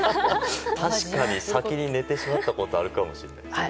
確かに先に寝てしまったことあるかもしれません。